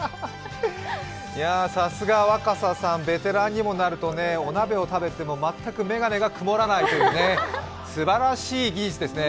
さすが若狭さん、ベテランにもなるとお鍋を食べても、全く眼鏡が曇らないというね、すばらしい技術ですね。